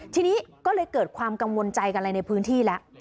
ทีนี้ก็เลยเกิดความกังวลใจกันอะไรในพื้นที่แล้ว